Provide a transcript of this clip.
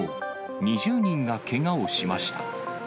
２０人がけがをしました。